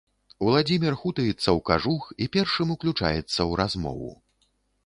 Уладзімір хутаецца ў кажух і першым уключаецца ў размову.